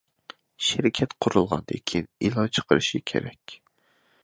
شىركەت قۇرۇلغاندىن كېيىن، ئېلان چىقىرىشى كېرەك.